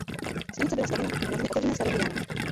Stanice byla stavěna na dně otevřené stavební jámy.